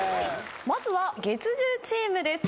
まずは月１０チームです。